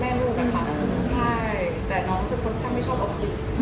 แต่น้องจะค่อนข้างไม่ชอบอฟซิ